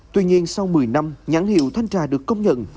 tuy nhiên sau một mươi năm nhãn hiệu thanh trà được công nhận